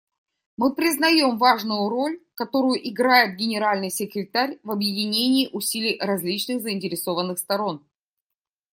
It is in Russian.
Мы признаем важную роль, которую играет Генеральный секретарь в объединении усилий различных заинтересованных сторон.